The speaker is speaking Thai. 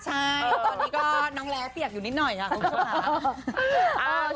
ใช่ตอนนี้ก็น้องแร้เปียกอยู่นิดหน่อยค่ะคุณผู้ชมค่ะ